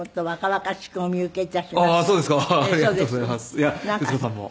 いや徹子さんも。